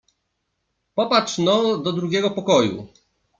Popatrz no do drugiego pokoju.